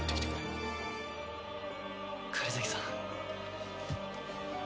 狩崎さん。